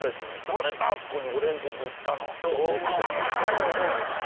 誰だあそこにオレンジ塗ったのって思ってた人いると思う。